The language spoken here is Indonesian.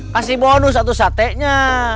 kasih bonus satu satenya